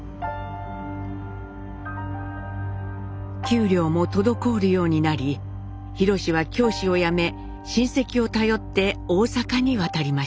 給料も滞るようになり廣は教師を辞め親戚を頼って大阪に渡りました。